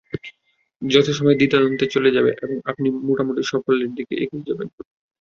যথাসময়ে দ্বিধাদ্বন্দ্ব চলে যাবে এবং আপনি মোটামুটি সাফল্যের দিকে এগিয়ে যাবেন।